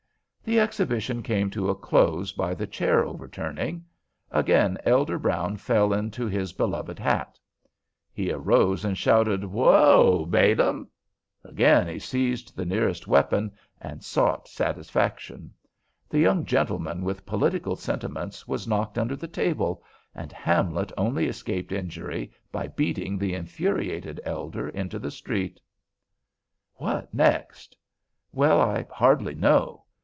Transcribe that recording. The exhibition came to a close by the chair overturning. Again Elder Brown fell into his beloved hat. He arose and shouted: "Whoa, Balaam!" Again he seized the nearest weapon, and sought satisfaction. The young gentleman with political sentiments was knocked under the table, and Hamlet only escaped injury by beating the infuriated elder into the street. What next? Well, I hardly know.